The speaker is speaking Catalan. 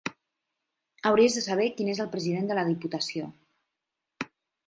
Hauries de saber qui és el president de la Diputació.